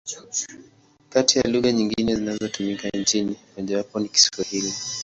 Kati ya lugha nyingine zinazotumika nchini, mojawapo ni Kiswahili.